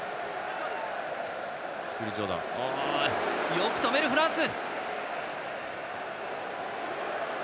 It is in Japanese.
よく止める、フランス。